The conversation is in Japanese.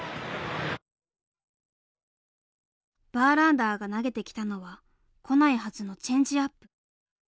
バーランダーが投げてきたのは来ないはずのチェンジアップ。